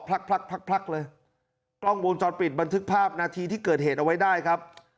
พลักพลักพลักเลยกล้องวงจรปิดบันทึกภาพนาทีที่เกิดเหตุเอาไว้ได้ครับ